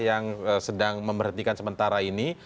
yang sedang memberhentikan sementara ini